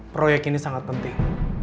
proyek ini sangat penting